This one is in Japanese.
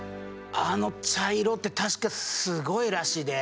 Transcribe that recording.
あの茶色って確かすごいらしいで。